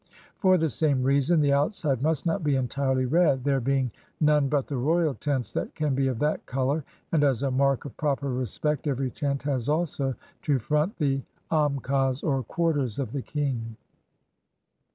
For the same reason, the outside must not be entirely red, there being none but the royal tents that can be of that color; and as a mark of proper respect ever>" tent has also to front the am kas, or quarters of the king.